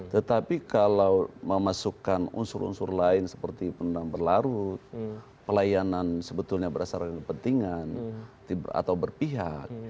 tetapi kalau memasukkan unsur unsur lain seperti pendanaan berlarut pelayanan sebetulnya berdasarkan kepentingan atau berpihak